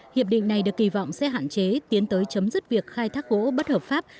hiệp định này được kỳ vọng sẽ hạn chế tiến tới chấm dứt việc khai thác gỗ bất hợp pháp